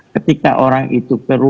ketika orang itu perlu